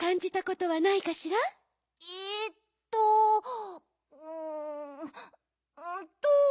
えっとうんうんと。